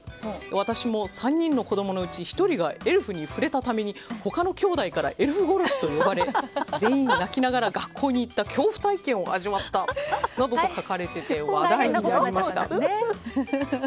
私も３人の子供のうち１人がエルフに触れたために他の兄弟からエルフ殺しと呼ばれ全員、泣きながら学校に行った恐怖体験を味わったなどと書かれて話題になりました。